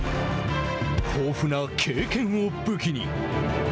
豊富な経験を武器に。